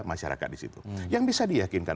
masyarakat disitu yang bisa diyakinkan